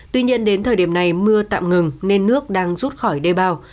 tuy nhiên đến thời điểm này mưa tạm ngừng nên nước đang rút khỏi đê bao